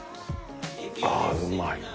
あうまい。